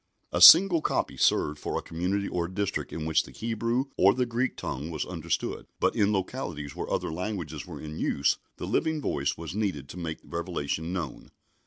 A single copy served for a community or a district in which the Hebrew or the Greek tongue was understood, but in localities where other languages were in use the living voice was needed to make revelation known.